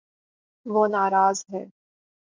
وہ نا راض ہے